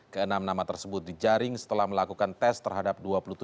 ke enam nama tersebut dijaring setelah melakukan tes terhadap dua puluh tujuh